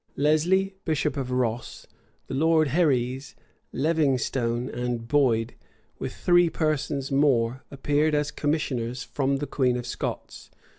Lesley, bishop of Ross, the lords Herreis, Levingstone, and Boyde, with three persons more, appeared as commissioners from the queen of Scots.